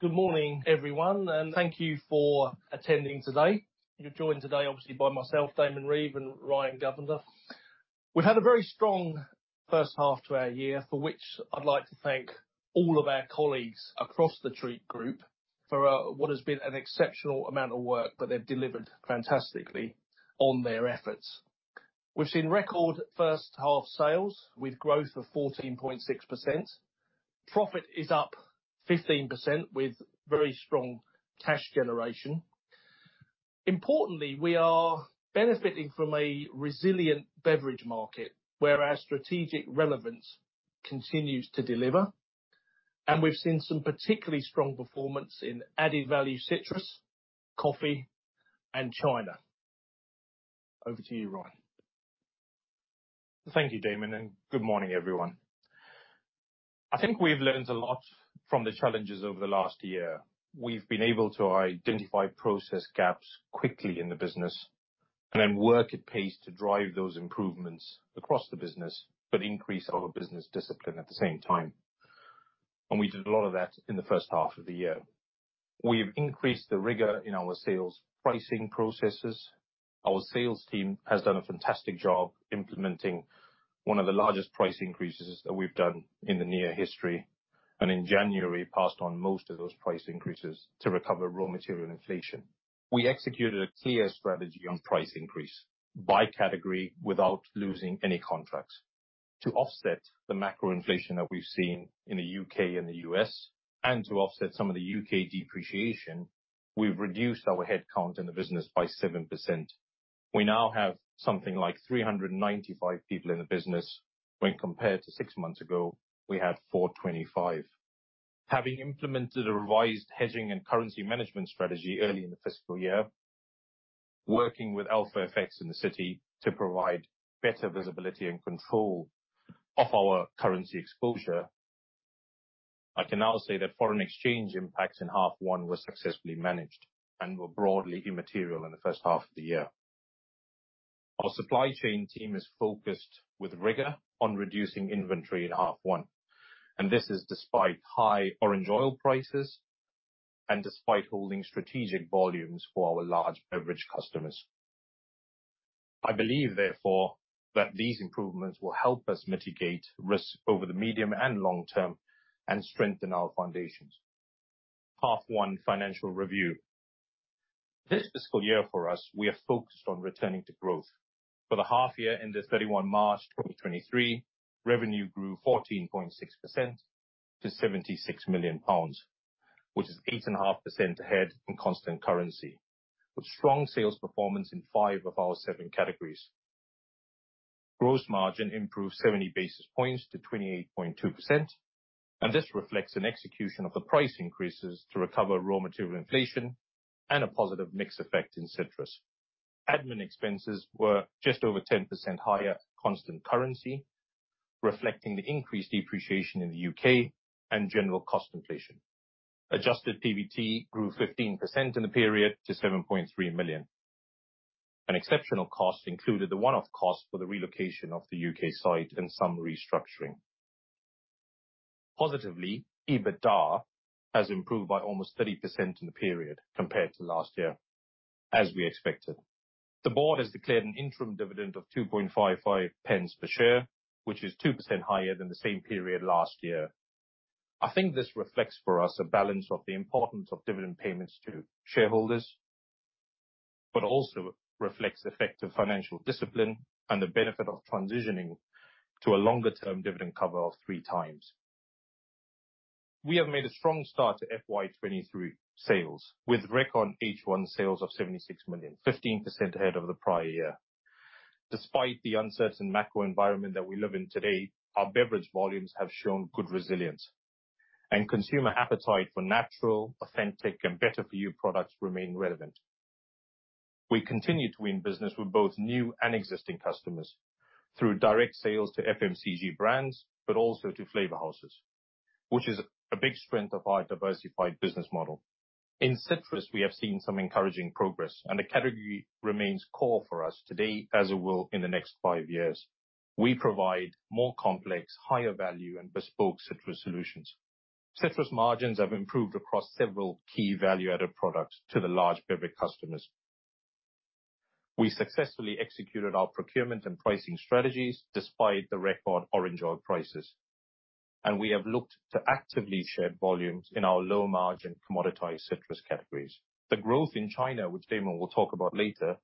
Good morning, everyone. Thank you for attending today. You're joined today, obviously by myself, Daemmon Reeve and Ryan Govender. We've had a very strong first half to our year, for which I'd like to thank all of our colleagues across the Treatt group for what has been an exceptional amount of work that they've delivered fantastically on their efforts. We've seen record first half sales with growth of 14.6%. Profit is up 15% with very strong cash generation. Importantly, we are benefiting from a resilient beverage market where our strategic relevance continues to deliver, and we've seen some particularly strong performance in added value citrus, coffee, and China. Over to you, Ryan. Thank you, Daemmon, and good morning, everyone. I think we've learned a lot from the challenges over the last year. We've been able to identify process gaps quickly in the business and then work at pace to drive those improvements across the business, but increase our business discipline at the same time. We did a lot of that in the first half of the year. We've increased the rigor in our sales pricing processes. Our sales team has done a fantastic job implementing one of the largest price increases that we've done in the near history, and in January, passed on most of those price increases to recover raw material inflation. We executed a clear strategy on price increase by category without losing any contracts. To offset the macro inflation that we've seen in the UK and the US, to offset some of the UK depreciation, we've reduced our headcount in the business by 7%. We now have something like 395 people in the business when compared to 6 months ago, we had 425. Having implemented a revised hedging and currency management strategy early in the fiscal year, working with Alpha FX in the city to provide better visibility and control of our currency exposure, I can now say that foreign exchange impacts in H1 were successfully managed and were broadly immaterial in H1. Our supply chain team is focused with rigor on reducing inventory in H1, this is despite high orange oil prices and despite holding strategic volumes for our large beverage customers. I believe, therefore, that these improvements will help us mitigate risk over the medium and long term and strengthen our foundations. H1 financial review. This fiscal year for us, we are focused on returning to growth. For the half year ended 31 March 2023, revenue grew 14.6% to GBP 76 million, which is 8.5% ahead in constant currency, with strong sales performance in five of our seven categories. Gross margin improved 70 basis points to 28.2%. This reflects an execution of the price increases to recover raw material inflation and a positive mix effect in citrus. Admin expenses were just over 10% higher constant currency, reflecting the increased depreciation in the UK and general cost inflation. Adjusted PBT grew 15% in the period to 7.3 million. An exceptional cost included the one-off cost for the relocation of the UK site and some restructuring. Positively, EBITDA has improved by almost 30% in the period compared to last year, as we expected. The board has declared an interim dividend of 2.55 pence per share, which is 2% higher than the same period last year. I think this reflects for us a balance of the importance of dividend payments to shareholders, but also reflects effective financial discipline and the benefit of transitioning to a longer-term dividend cover of three times. We have made a strong start to FY 2023 sales with record H1 sales of 76 million, 15% ahead of the prior year. Despite the uncertain macro environment that we live in today, our beverage volumes have shown good resilience. Consumer appetite for natural, authentic and better for you products remain relevant. We continue to win business with both new and existing customers through direct sales to FMCG brands, also to flavor houses, which is a big strength of our diversified business model. In citrus, we have seen some encouraging progress, the category remains core for us today, as it will in the next five years. We provide more complex, higher value and bespoke citrus solutions. Citrus margins have improved across several key value-added products to the large beverage customers. We successfully executed our procurement and pricing strategies despite the record orange oil prices, we have looked to actively share volumes in our low-margin commoditized citrus categories. The growth in China, which Daemmon will talk about later,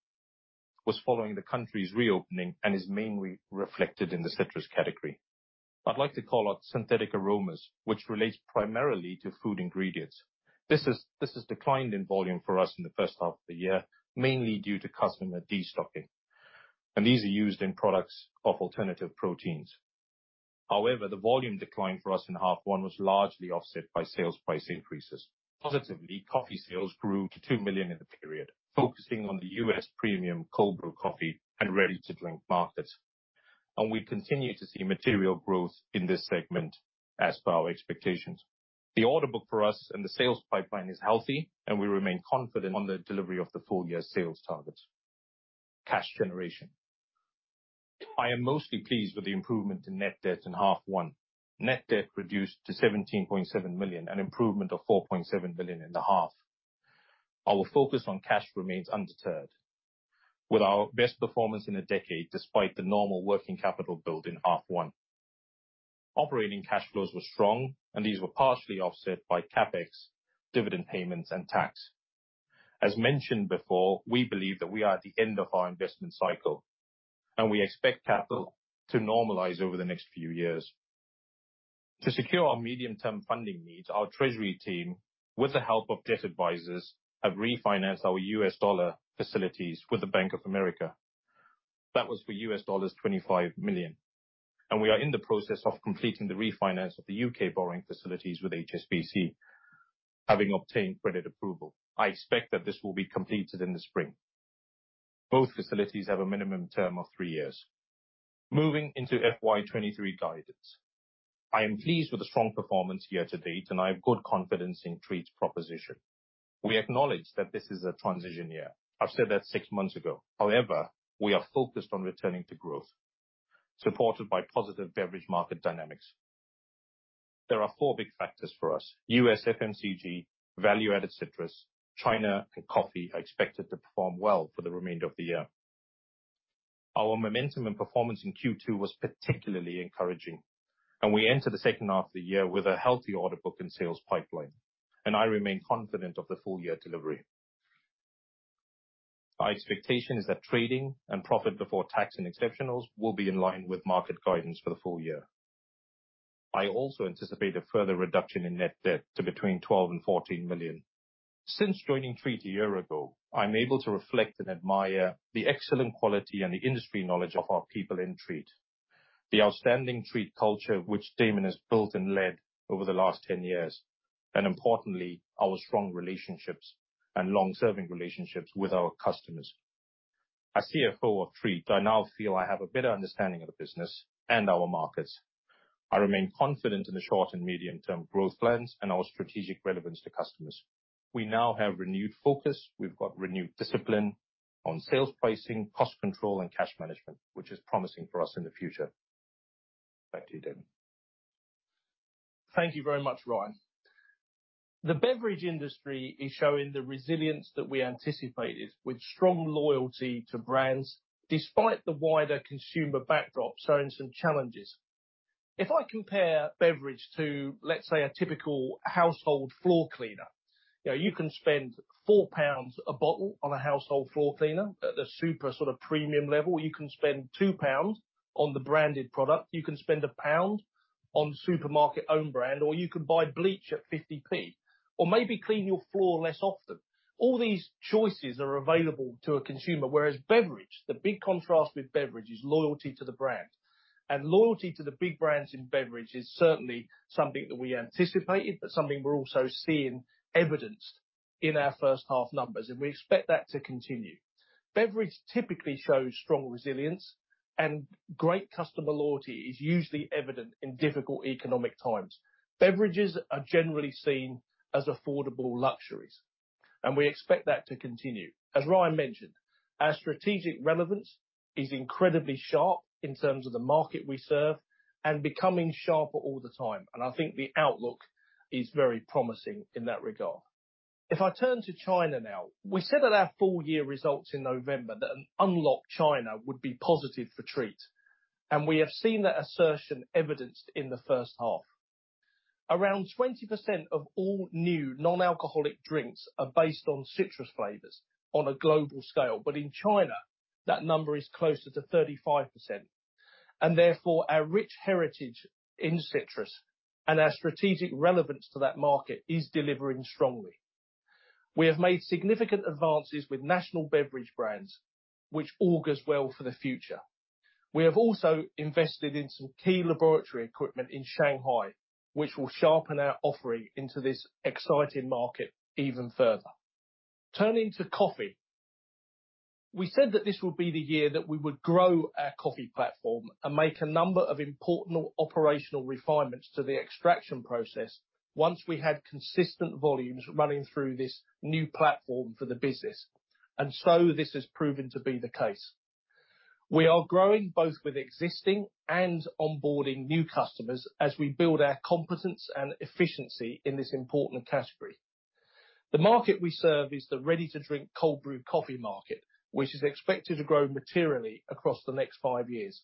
was following the country's reopening and is mainly reflected in the citrus category. I'd like to call out synthetic aroma, which relates primarily to food ingredients. This has declined in volume for us in the first half of the year, mainly due to customer destocking. These are used in products of alternative proteins. However, the volume decline for us in half one was largely offset by sales price increases. Positively, coffee sales grew to 2 million in the period, focusing on the U.S. premium cold brew coffee and ready-to-drink markets. We continue to see material growth in this segment as per our expectations. The order book for us and the sales pipeline is healthy and we remain confident on the delivery of the full year sales target. Cash generation. I am mostly pleased with the improvement in net debt in half one. Net debt reduced to 17.7 million, an improvement of 4.7 million in the half. Our focus on cash remains undeterred, with our best performance in a decade despite the normal working capital build in half one. Operating cash flows were strong. These were partially offset by CapEx, dividend payments and tax. As mentioned before, we believe that we are at the end of our investment cycle. We expect capital to normalize over the next few years. To secure our medium-term funding needs, our treasury team, with the help of debt advisors, have refinanced our US dollar facilities with the Bank of America. That was for $25 million. We are in the process of completing the refinance of the U.K. borrowing facilities with HSBC. Having obtained credit approval, I expect that this will be completed in the spring. Both facilities have a minimum term of three years. Moving into FY 2023 guidance, I am pleased with the strong performance year to date, and I have good confidence in Treatt's proposition. We acknowledge that this is a transition year. I've said that six months ago. However, we are focused on returning to growth, supported by positive beverage market dynamics. There are four big factors for us: U.S. FMCG, value-added citrus, China and coffee are expected to perform well for the remainder of the year. Our momentum and performance in Q2 was particularly encouraging, and we enter the second half of the year with a healthy order book and sales pipeline, and I remain confident of the full year delivery. My expectation is that trading and profit before tax and exceptionals will be in line with market guidance for the full year. I also anticipate a further reduction in net debt to between 12 million and 14 million. Since joining Treatt a year ago, I'm able to reflect and admire the excellent quality and the industry knowledge of our people in Treatt, the outstanding Treatt culture which Daemmon has built and led over the last 10 years. Importantly, our strong relationships and long-serving relationships with our customers. As CFO of Treatt, I now feel I have a better understanding of the business and our markets. I remain confident in the short and medium-term growth plans and our strategic relevance to customers. We now have renewed focus. We've got renewed discipline on sales pricing, cost control and cash management, which is promising for us in the future. Back to you, Daemmon. Thank you very much, Ryan. The beverage industry is showing the resilience that we anticipated with strong loyalty to brands despite the wider consumer backdrop showing some challenges. If I compare beverage to, let's say, a typical household floor cleaner, you know, you can spend 4 pounds a bottle on a household floor cleaner at the super sort of premium level. You can spend 2 pounds on the branded product. You can spend GBP 1 on supermarket own brand, or you could buy bleach at 0.50 or maybe clean your floor less often. All these choices are available to a consumer. Whereas beverage, the big contrast with beverage is loyalty to the brand. Loyalty to the big brands in beverage is certainly something that we anticipated, but something we're also seeing evidenced in our first half numbers, and we expect that to continue. Beverage typically shows strong resilience and great customer loyalty is usually evident in difficult economic times. Beverages are generally seen as affordable luxuries, and we expect that to continue. As Ryan mentioned, our strategic relevance is incredibly sharp in terms of the market we serve and becoming sharper all the time, and I think the outlook is very promising in that regard. If I turn to China now, we said at our full year results in November that an unlocked China would be positive for Treatt, and we have seen that assertion evidenced in the first half. Around 20% of all new non-alcoholic drinks are based on citrus flavors on a global scale. In China, that number is closer to 35%, and therefore our rich heritage in citrus and our strategic relevance to that market is delivering strongly. We have made significant advances with national beverage brands, which augurs well for the future. We have also invested in some key laboratory equipment in Shanghai, which will sharpen our offering into this exciting market even further. Turning to coffee, we said that this would be the year that we would grow our coffee platform and make a number of important operational refinements to the extraction process once we had consistent volumes running through this new platform for the business. This has proven to be the case. We are growing both with existing and onboarding new customers as we build our competence and efficiency in this important category. The market we serve is the ready-to-drink cold brew coffee market, which is expected to grow materially across the next five years.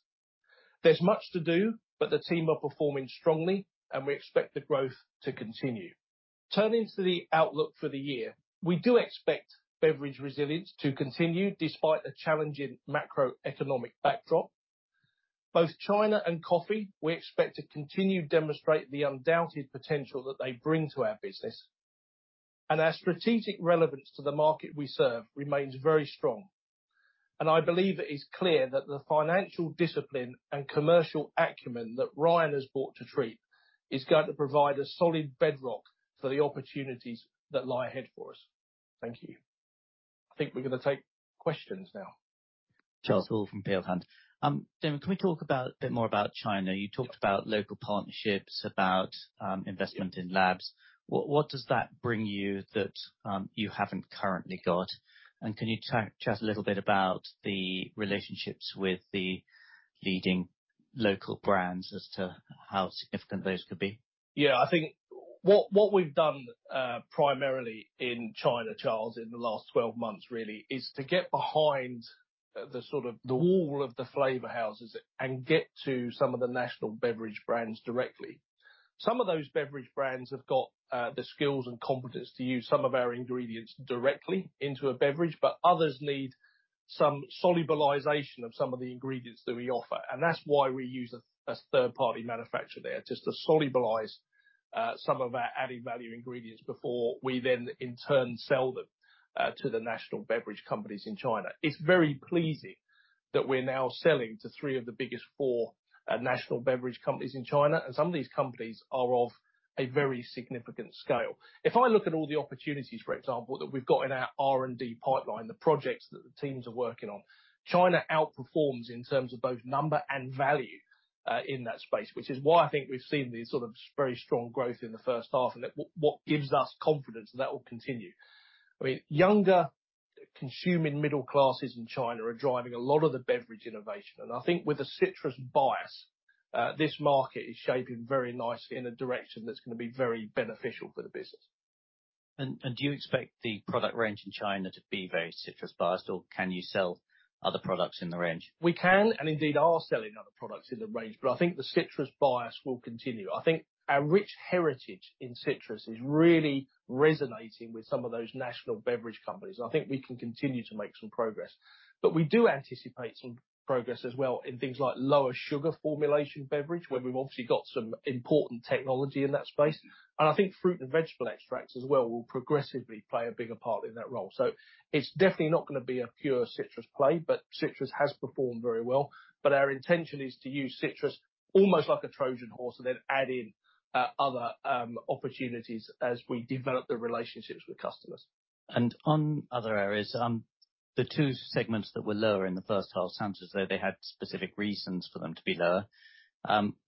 There's much to do, but the team are performing strongly, and we expect the growth to continue. Turning to the outlook for the year. We do expect beverage resilience to continue despite a challenging macroeconomic backdrop. Both China and coffee, we expect to continue to demonstrate the undoubted potential that they bring to our business. Our strategic relevance to the market we serve remains very strong. I believe it is clear that the financial discipline and commercial acumen that Ryan has brought to Treatt is going to provide a solid bedrock for the opportunities that lie ahead for us. Thank you. I think we're gonna take questions now. Charles Hall from Peel Hunt. Daemmon, can we talk about, a bit more about China? You talked about local partnerships, about, investment in labs. What does that bring you that, you haven't currently got? Can you chat a little bit about the relationships with the leading? Local brands, as to how significant those could be. Yeah, I think what we've done, primarily in China, Charles, in the last 12 months really, is to get behind the sort of the wall of the flavor houses and get to some of the national beverage brands directly. Some of those beverage brands have got the skills and competence to use some of our ingredients directly into a beverage, but others need some solubilization of some of the ingredients that we offer, and that's why we use a third-party manufacturer there, just to solubilize some of our added value ingredients before we then in turn sell them to the national beverage companies in China. It's very pleasing that we're now selling to three of the biggest four national beverage companies in China, and some of these companies are of a very significant scale. If I look at all the opportunities, for example, that we've got in our R&D pipeline, the projects that the teams are working on, China outperforms in terms of both number and value in that space, which is why I think we've seen the sort of very strong growth in the first half and what gives us confidence that that will continue. I mean, younger consuming middle classes in China are driving a lot of the beverage innovation, and I think with a citrus bias, this market is shaping very nicely in a direction that's gonna be very beneficial for the business. Do you expect the product range in China to be very citrus-biased, or can you sell other products in the range? We can, and indeed are selling other products in the range, but I think the citrus bias will continue. I think our rich heritage in citrus is really resonating with some of those national beverage companies, and I think we can continue to make some progress. We do anticipate some progress as well in things like lower sugar formulation beverage, where we've obviously got some important technology in that space. I think fruit and vegetable extracts as well will progressively play a bigger part in that role. It's definitely not gonna be a pure citrus play, but citrus has performed very well. Our intention is to use citrus almost like a Trojan horse, and then add in other opportunities as we develop the relationships with customers. On other areas, the two segments that were lower in the first half, it sounds as though they had specific reasons for them to be lower.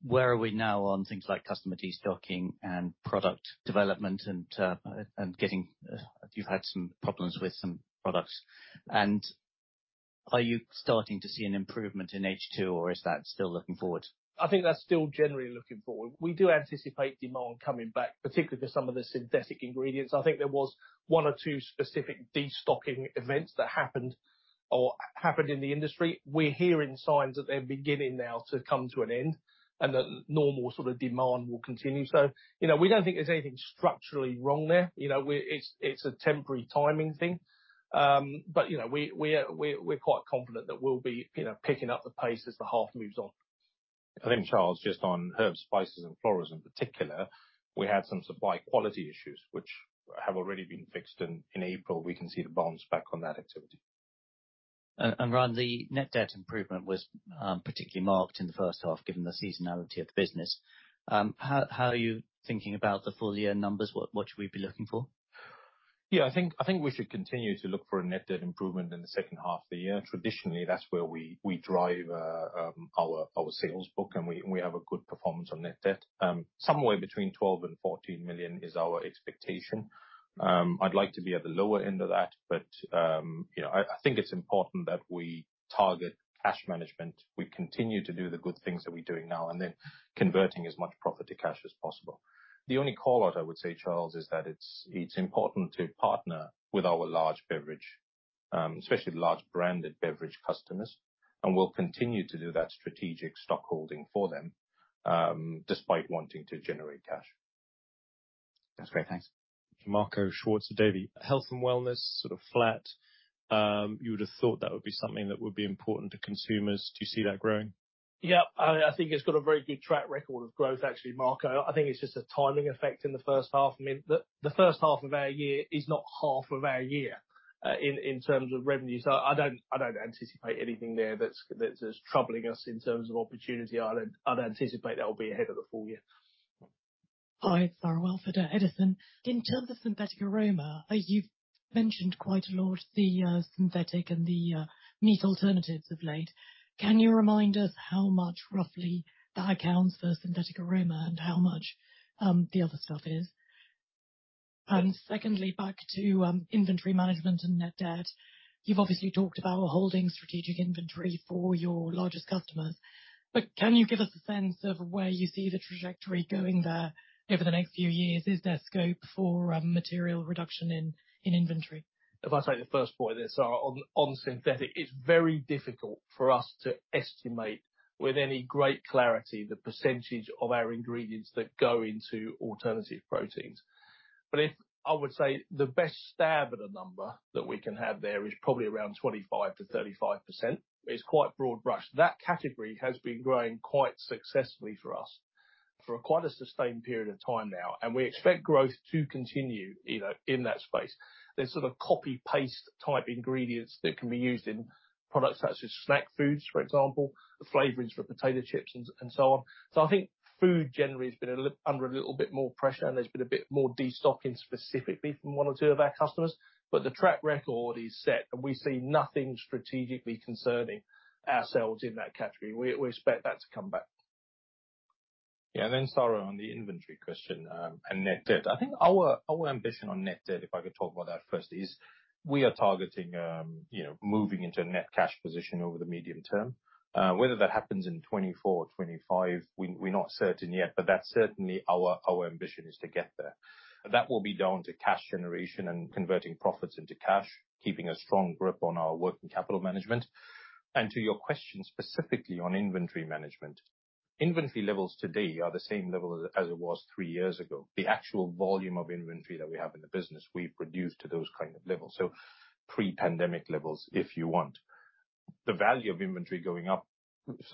Where are we now on things like customer destocking and product development and getting, you've had some problems with some products. Are you starting to see an improvement in H2 or is that still looking forward? I think that's still generally looking forward. We do anticipate demand coming back, particularly for some of the synthetic ingredients. I think there was one or two specific destocking events that happened or happened in the industry. We're hearing signs that they're beginning now to come to an end and that normal sort of demand will continue. You know, we don't think there's anything structurally wrong there. You know, it's a temporary timing thing. You know, we're quite confident that we'll be, you know, picking up the pace as the half moves on. I think, Charles, just on herbs, spices & florals in particular, we had some supply quality issues which have already been fixed in April. We can see the bounce back on that activity. Ryan, the net debt improvement was particularly marked in the first half, given the seasonality of the business. How are you thinking about the full year numbers? What should we be looking for? I think we should continue to look for a net debt improvement in the second half of the year. Traditionally, that's where we drive our sales book, and we have a good performance on net debt. Somewhere between 12 million and 14 million is our expectation. I'd like to be at the lower end of that, but, you know, I think it's important that we target cash management, we continue to do the good things that we're doing now, and then converting as much profit to cash as possible. The only callout I would say, Charles, is that it's important to partner with our large beverage, especially large branded beverage customers, and we'll continue to do that strategic stock holding for them, despite wanting to generate cash. That's great. Thanks. Marco Schwarzer from Davy, health and wellness sort of flat. you would've thought that would be something that would be important to consumers. Do you see that growing? I think it's got a very good track record of growth actually, Marco. I think it's just a timing effect in the first half. I mean, the first half of our year is not half of our year in terms of revenue. I don't anticipate anything there that's troubling us in terms of opportunity. I don't anticipate that will be ahead of the full year. Hi, Sara Welford at Edison. In terms of synthetic aroma, you've mentioned quite a lot the synthetic and the meat alternatives of late. Can you remind us how much roughly that accounts for synthetic aroma and how much the other stuff is? Secondly, back to inventory management and net debt. You've obviously talked about holding strategic inventory for your largest customers, but can you give us a sense of where you see the trajectory going there over the next few years? Is there scope for material reduction in inventory? If I take the first point there, Sara, on synthetic, it's very difficult for us to estimate with any great clarity the percentage of our ingredients that go into alternative proteins. If I would say the best stab at a number that we can have there is probably around 25%-35%. It's quite broad brush. That category has been growing quite successfully for us for quite a sustained period of time now, and we expect growth to continue, you know, in that space. There's sort of copy-paste type ingredients that can be used in products such as snack foods, for example, the flavorings for potato chips and so on. I think food generally has been under a little bit more pressure, and there's been a bit more destocking specifically from one or two of our customers. The track record is set and we see nothing strategically concerning ourselves in that category. We expect that to come back. Yeah, then Sara on the inventory question, and net debt. I think our ambition on net debt, if I could talk about that first, is we are targeting, you know, moving into a net cash position over the medium term. Whether that happens in 2024 or 2025, we're not certain yet, but that's certainly our ambition is to get there. That will be down to cash generation and converting profits into cash, keeping a strong grip on our working capital management. To your question specifically on inventory management, inventory levels today are the same level as it was three years ago. The actual volume of inventory that we have in the business, we've reduced to those kind of levels. So pre-pandemic levels, if you want. The value of inventory going up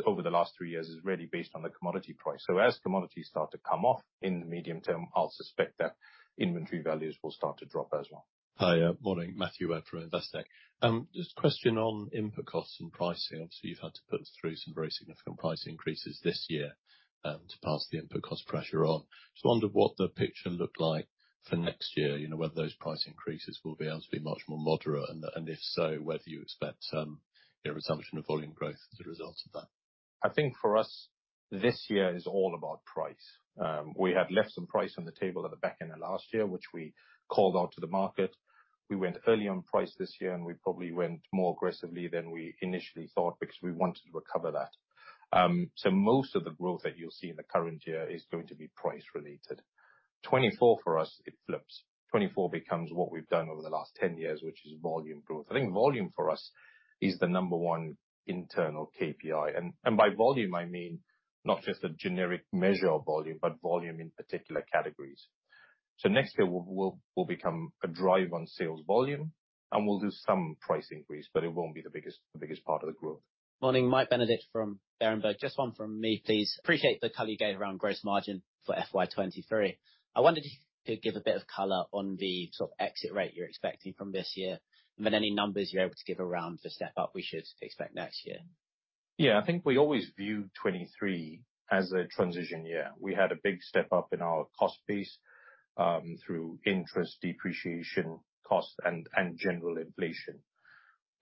over the last 3 years is really based on the commodity price. As commodities start to come off in the medium term, I'll suspect that inventory values will start to drop as well. Hi. Morning. Matthew Webb from Investec. Just a question on input costs and pricing. Obviously, you've had to put through some very significant price increases this year, to pass the input cost pressure on. Just wondered what the picture looked like for next year, you know, whether those price increases will be able to be much more moderate, and if so, whether you expect, you know, resumption of volume growth as a result of that. I think for us, this year is all about price. We had left some price on the table at the back end of last year, which we called out to the market. We went early on price this year, and we probably went more aggressively than we initially thought because we wanted to recover that. Most of the growth that you'll see in the current year is going to be price related. 2024 for us, it flips. 2024 becomes what we've done over the last 10 years, which is volume growth. I think volume for us is the number 1 internal KPI. By volume, I mean not just a generic measure of volume, but volume in particular categories. Next year will become a drive on sales volume and we'll do some price increase, but it won't be the biggest part of the growth. Morning. Michael Benedict from Berenberg. Just one from me, please. Appreciate the color you gave around gross margin for FY 23. I wondered if you could give a bit of color on the sort of exit rate you're expecting from this year, and then any numbers you're able to give around the step up we should expect next year. Yeah. I think we always viewed 2023 as a transition year. We had a big step up in our cost base through interest depreciation costs and general inflation.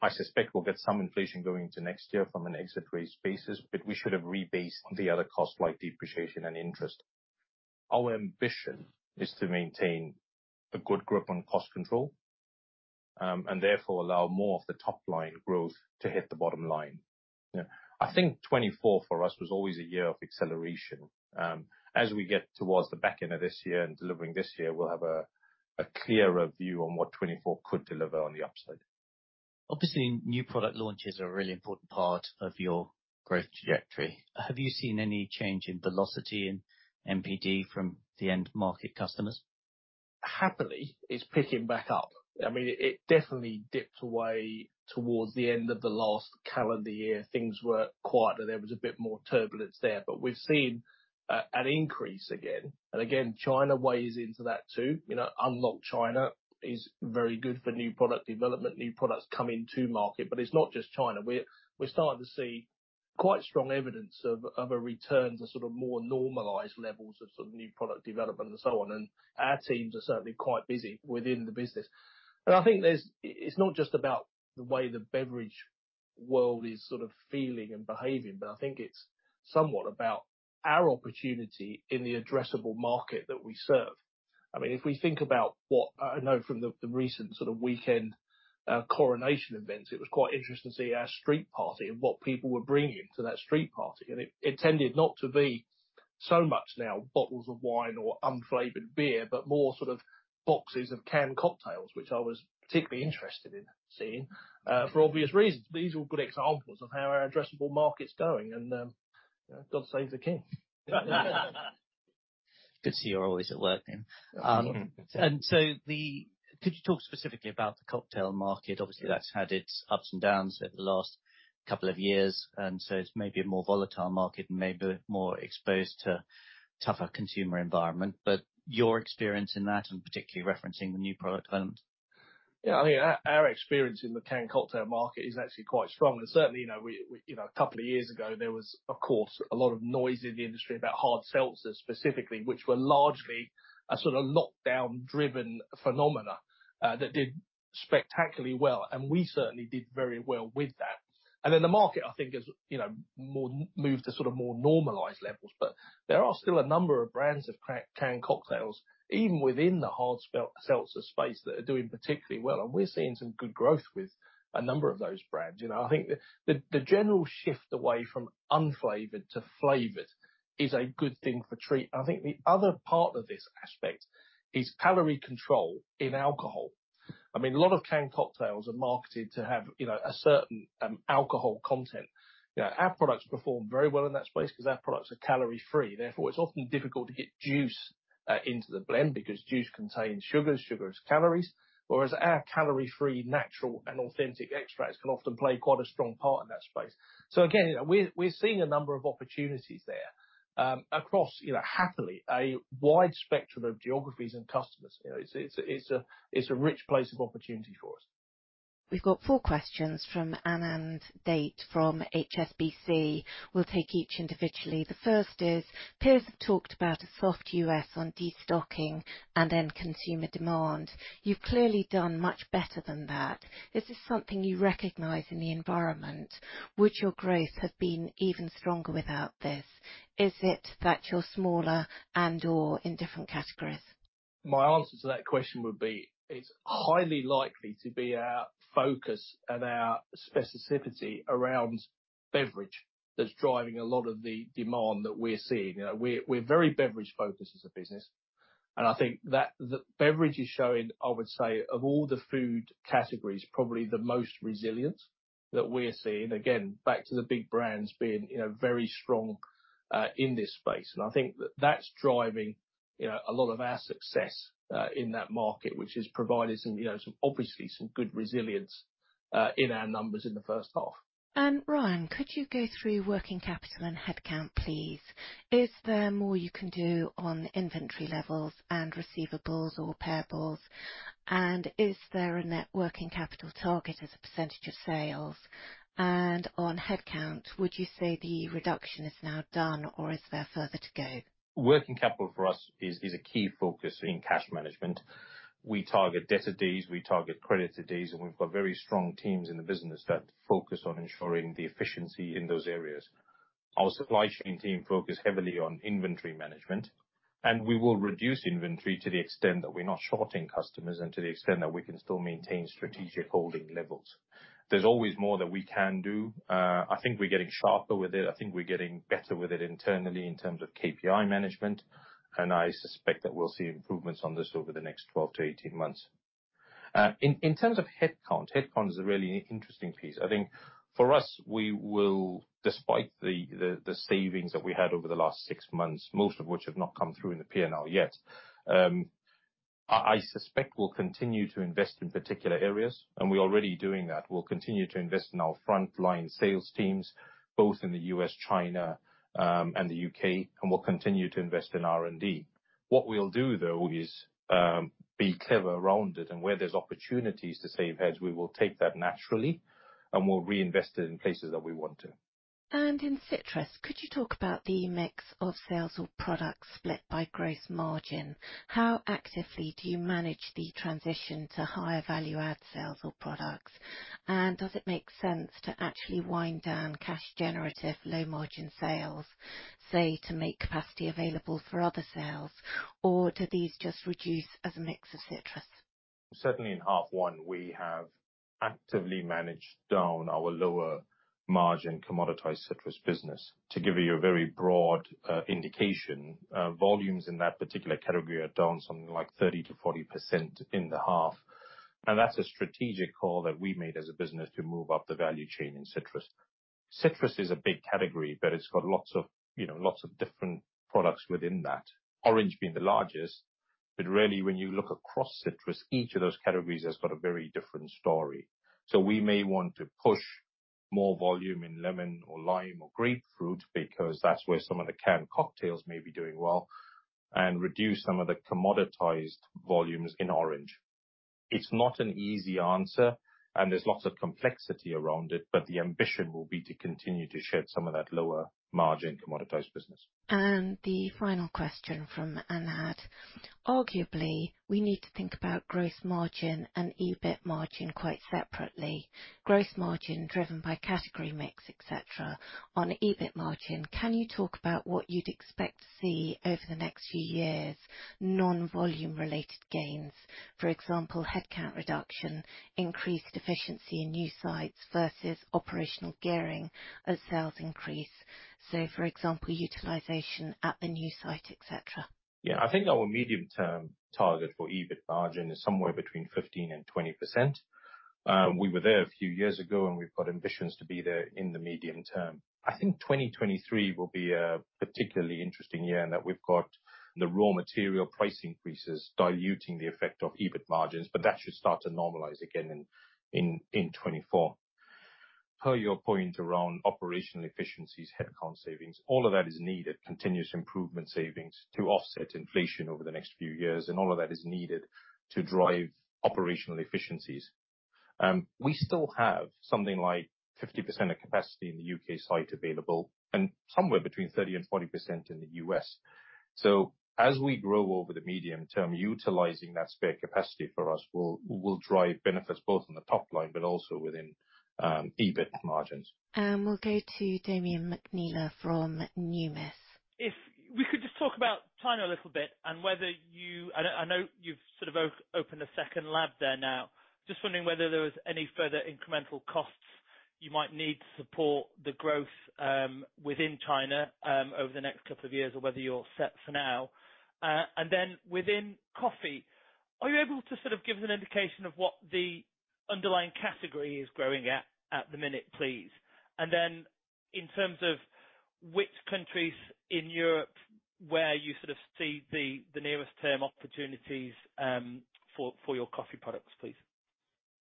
I suspect we'll get some inflation going into next year from an exit rate basis, but we should have rebased the other costs like depreciation and interest. Our ambition is to maintain a good grip on cost control and therefore allow more of the top line growth to hit the bottom line. Yeah. I think 2024 for us was always a year of acceleration. As we get towards the back end of this year and delivering this year, we'll have a clearer view on what 2024 could deliver on the upside. Obviously, new product launches are a really important part of your growth trajectory. Have you seen any change in velocity in NPD from the end market customers? Happily, it's picking back up. I mean, it definitely dipped away towards the end of the last calendar year. Things were quieter. There was a bit more turbulence there. We've seen an increase again and again, China weighs into that too. You know, unlocked China is very good for new product development, new products coming to market. It's not just China. We're starting to see quite strong evidence of a return to sort of more normalized levels of new product development and so on. Our teams are certainly quite busy within the business. I think it's not just about the way the beverage world is sort of feeling and behaving, but I think it's somewhat about our opportunity in the addressable market that we serve. I mean, if we think about what I know from the recent sort of weekend, coronation events, it was quite interesting to see our street party and what people were bringing to that street party. It tended not to be so much now bottles of wine or unflavored beer, but more sort of boxes of canned cocktails, which I was particularly interested in seeing, for obvious reasons. These are all good examples of how our addressable market's going and, God save the King. Good to see you're always at work then. Mm-hmm. Could you talk specifically about the cocktail market? Obviously, that's had its ups and downs over the last couple of years. It's maybe a more volatile market and maybe more exposed to tougher consumer environment. Your experience in that, and particularly referencing the new product elements. Yeah, I mean, our experience in the canned cocktail market is actually quite strong. Certainly, you know, we, you know, a couple of years ago, there was of course, a lot of noise in the industry about hard seltzers specifically, which were largely a sort of lockdown driven phenomena, that did spectacularly well, and we certainly did very well with that. Then the market, I think is, you know, moved to sort of more normalized levels, but there are still a number of brands of canned cocktails, even within the hard seltzer space that are doing particularly well. We're seeing some good growth with a number of those brands. You know, I think the general shift away from unflavored to flavored is a good thing for Treatt. I think the other part of this aspect is calorie control in alcohol. I mean, a lot of canned cocktails are marketed to have, you know, a certain alcohol content. You know, our products perform very well in that space 'cause our products are calorie free. Therefore, it's often difficult to get juice into the blend because juice contains sugar is calories. Whereas our calorie free natural and authentic extracts can often play quite a strong part in that space. Again, we're seeing a number of opportunities there across, you know, happily, a wide spectrum of geographies and customers. You know, it's, it's a, it's a rich place of opportunity for us. We've got four questions from Anand Date from HSBC. We'll take each individually. The first is, peers have talked about a soft U.S. on destocking and end consumer demand. You've clearly done much better than that. Is this something you recognize in the environment? Would your growth have been even stronger without this? Is it that you're smaller and/or in different categories? My answer to that question would be, it's highly likely to be our focus and our specificity around beverage that's driving a lot of the demand that we're seeing. You know, we're very beverage focused as a business. I think that the beverage is showing, I would say, of all the food categories, probably the most resilient that we're seeing. Again, back to the big brands being, you know, very strong in this space. I think that that's driving, you know, a lot of our success in that market, which has provided some, you know, some obviously some good resilience in our numbers in the first half. Ryan, could you go through working capital and headcount, please? Is there more you can do on inventory levels and receivables or payables? Is there a net working capital target as a % of sales? On headcount, would you say the reduction is now done, or is there further to go? Working capital for us is a key focus in cash management. We target debtor days, we target creditor days. We've got very strong teams in the business that focus on ensuring the efficiency in those areas. Our supply chain team focus heavily on inventory management. We will reduce inventory to the extent that we're not shorting customers and to the extent that we can still maintain strategic holding levels. There's always more that we can do. I think we're getting sharper with it. I think we're getting better with it internally in terms of KPI management. I suspect that we'll see improvements on this over the next 12 to 18 months. In terms of headcount is a really interesting piece. I think for us, we will, despite the savings that we had over the last six months, most of which have not come through in the P&L yet, I suspect we'll continue to invest in particular areas, and we're already doing that. We'll continue to invest in our front line sales teams, both in the U.S., China, and the U.K., and we'll continue to invest in R&D. What we'll do though is, be clever around it, and where there's opportunities to save heads, we will take that naturally, and we'll reinvest it in places that we want to. In citrus, could you talk about the mix of sales or products split by gross margin? How actively do you manage the transition to higher value add sales or products? Does it make sense to actually wind down cash generative low margin sales, say, to make capacity available for other sales? Do these just reduce as a mix of citrus? Certainly in half 1, we have actively managed down our lower margin commoditized citrus business. To give you a very broad indication, volumes in that particular category are down something like 30%-40% in the half. That's a strategic call that we made as a business to move up the value chain in citrus. Citrus is a big category, but it's got lots of, you know, lots of different products within that. Orange being the largest. Really when you look across citrus, each of those categories has got a very different story. We may want to push more volume in lemon or lime or grapefruit because that's where some of the canned cocktails may be doing well, and reduce some of the commoditized volumes in orange. It's not an easy answer, and there's lots of complexity around it, but the ambition will be to continue to shed some of that lower margin commoditized business. The final question from Anand. Arguably, we need to think about gross margin and EBIT margin quite separately. Gross margin driven by category mix, et cetera. On EBIT margin, can you talk about what you'd expect to see over the next few years, non-volume related gains? For example, headcount reduction, increased efficiency in new sites versus operational gearing as sales increase. For example, utilization at the new site, et cetera. Yeah. I think our medium-term target for EBIT margin is somewhere between 15% and 20%. We were there a few years ago, and we've got ambitions to be there in the medium term. I think 2023 will be a particularly interesting year in that we've got the raw material price increases diluting the effect of EBIT margins, but that should start to normalize again in 2024. Per your point around operational efficiencies, headcount savings, all of that is needed, continuous improvement savings to offset inflation over the next few years, and all of that is needed to drive operational efficiencies. We still have something like 50% of capacity in the U.K. site available and somewhere between 30% and 40% in the U.S. As we grow over the medium term, utilizing that spare capacity for us will drive benefits both in the top line but also within, EBIT margins. We'll go to Damian McNeela from Numis. If we could just talk about China a little bit and whether you... I know you've sort of opened a second lab there now. Just wondering whether there was any further incremental costs you might need to support the growth within China over the next couple of years or whether you're set for now? Within coffee, are you able to sort of give us an indication of what the underlying category is growing at the minute, please? In terms of which countries in Europe where you sort of see the nearest term opportunities for your coffee products, please?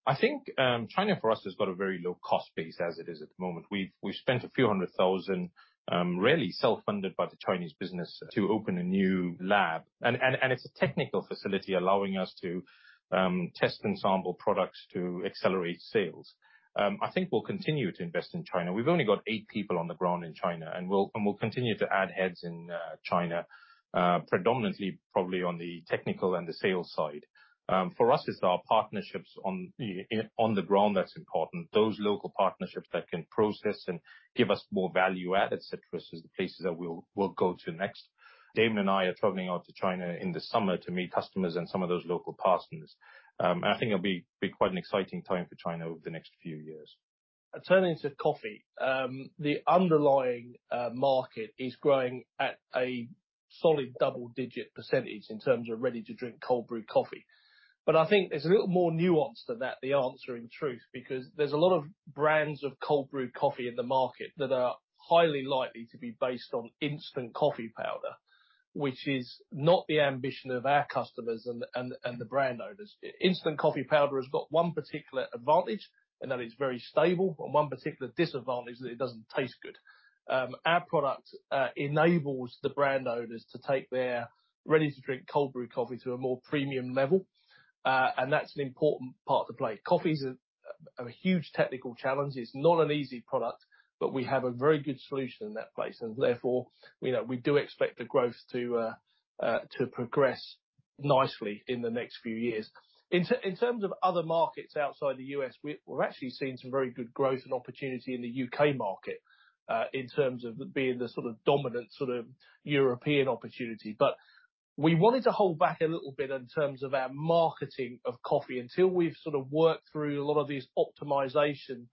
I think China for us has got a very low cost base as it is at the moment. We've spent a few hundred thousand GBP, really self-funded by the Chinese business to open a new lab. It's a technical facility allowing us to test and sample products to accelerate sales. I think we'll continue to invest in China. We've only got eight people on the ground in China, and we'll continue to add heads in China, predominantly probably on the technical and the sales side. For us, it's our partnerships on the ground that's important. Those local partnerships that can process and give us more value-added citrus is the places that we'll go to next. Damian and I are traveling out to China in the summer to meet customers and some of those local partners. I think it'll be quite an exciting time for China over the next few years. Turning to coffee, the underlying market is growing at a solid double-digit % in terms of ready-to-drink cold brew coffee. I think there's a little more nuance to that, the answer in truth, because there's a lot of brands of cold brew coffee in the market that are highly likely to be based on instant coffee powder, which is not the ambition of our customers and the brand owners. Instant coffee powder has got one particular advantage, and that is very stable, and one particular disadvantage, that it doesn't taste good. Our product enables the brand owners to take their ready-to-drink cold brew coffee to a more premium level, and that's an important part to play. Coffee is a huge technical challenge. It's not an easy product, but we have a very good solution in that place, and therefore, you know, we do expect the growth to progress nicely in the next few years. In terms of other markets outside the US, we're actually seeing some very good growth and opportunity in the UK market in terms of it being the sort of dominant sort of European opportunity. We wanted to hold back a little bit in terms of our marketing of coffee until we've sort of worked through a lot of these optimization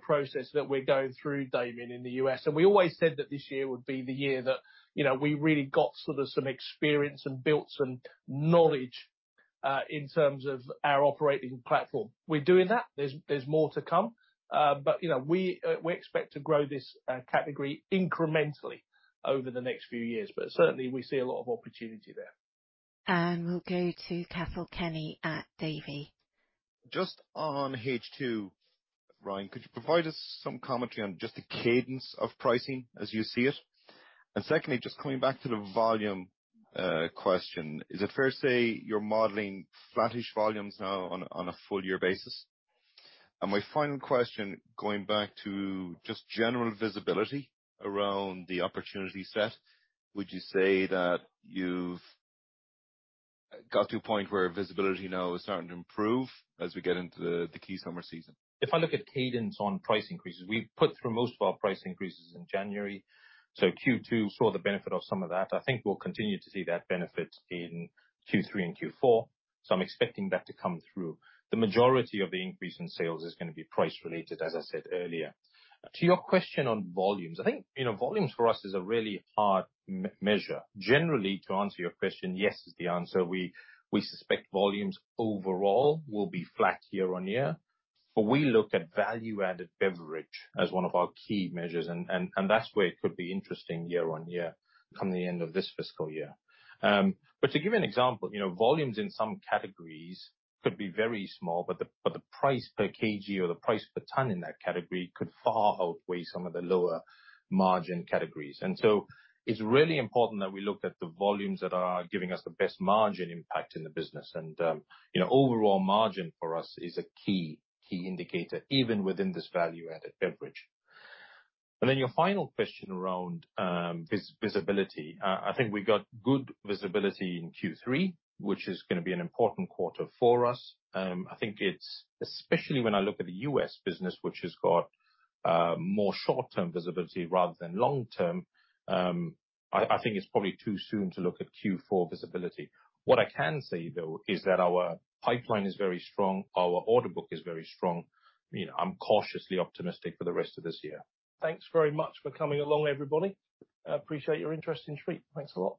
process that we're going through, Damian, in the US. We always said that this year would be the year that, you know, we really got sort of some experience and built some knowledge in terms of our operating platform. We're doing that. There's more to come. We expect to grow this category incrementally over the next few years. Certainly we see a lot of opportunity there. We'll go to Cathal Kenny at Davy. Just on H2, Ryan, could you provide us some commentary on just the cadence of pricing as you see it? Secondly, just coming back to the volume question. Is it fair to say you're modeling flattish volumes now on a full year basis? My final question, going back to just general visibility around the opportunity set. Would you say that you've got to a point where visibility now is starting to improve as we get into the key summer season? If I look at cadence on price increases, we put through most of our price increases in January. Q2 saw the benefit of some of that. I think we'll continue to see that benefit in Q3 and Q4. I'm expecting that to come through. The majority of the increase in sales is gonna be price related, as I said earlier. To your question on volumes, I think, you know, volumes for us is a really hard measure. Generally, to answer your question, yes is the answer. We suspect volumes overall will be flat year-on-year. We look at value-added beverage as one of our key measures, and that's where it could be interesting year-on-year come the end of this fiscal year. To give you an example, you know, volumes in some categories could be very small, but the price per kg or the price per ton in that category could far outweigh some of the lower margin categories. It's really important that we look at the volumes that are giving us the best margin impact in the business. Overall margin for us is a key indicator, even within this value-added beverage. Your final question around visibility. I think we've got good visibility in Q3, which is gonna be an important quarter for us. I think it's, especially when I look at the U.S. business, which has got more short-term visibility rather than long-term, I think it's probably too soon to look at Q4 visibility. What I can say, though, is that our pipeline is very strong, our order book is very strong. You know, I'm cautiously optimistic for the rest of this year. Thanks very much for coming along, everybody. I appreciate your interest in Treatt. Thanks a lot.